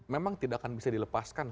memang tidak akan bisa dilepaskan